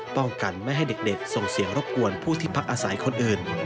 ป้องกันไม่ให้เด็กส่งเสียงรบกวนผู้ที่พักอาศัยคนอื่น